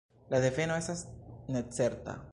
La deveno estas necerta.